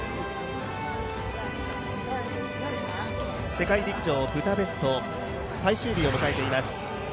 世界陸上ブダペスト最終日を迎えています。